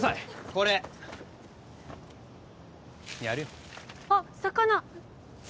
これやるよあ魚！